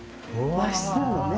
和室なのね。